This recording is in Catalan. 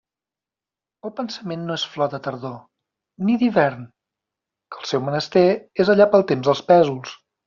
El pensament no és flor de tardor, ni d'hivern, que el seu menester és allà pel temps dels pésols.